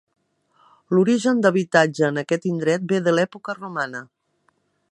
L'origen d'habitatge en aquest indret ve de l'època romana.